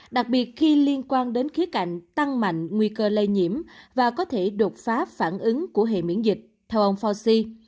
đặc biệt khi liên quan đến khía cạnh tăng mạnh nguy cơ lây nhiễm và có thể đột phá phản ứng của hệ miễn dịch theo ông fauci